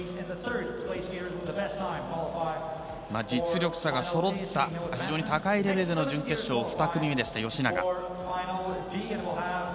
実力差が揃った非常に高いレベルの準決勝２組目でした、吉永。